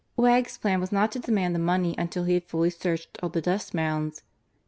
Wegg's plan was not to demand the money until he had fully searched all the dust mounds.